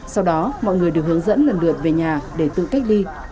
sau đó mọi người được hướng dẫn lần lượt về nhà để tự cách ly